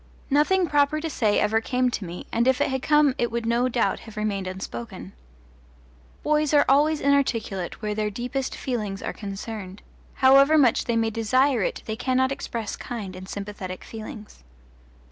Nothing proper to say ever came to me, and if it had come it would no doubt have remained unspoken. Boys are always inarticulate where their deepest feelings are concerned; however much they may desire it they cannot express kind and sympathetic feelings.